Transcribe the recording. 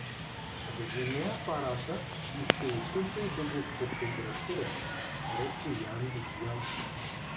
— Вземи апарата и се опитай да го фотографираш — рече Ян Бибиян.